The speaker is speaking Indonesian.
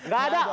bahkan di lantai